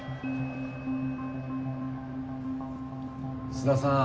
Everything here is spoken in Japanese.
須田さん。